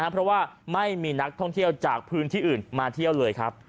เพราะว่าไม่มีนักท่องเที่ยวจากพื้นที่อื่นมาเที่ยวเลยครับ